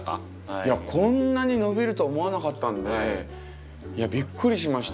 いやこんなに伸びるとは思わなかったんでびっくりしました。